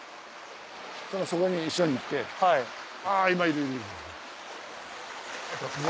そこに一緒に行ってあ今いるいる。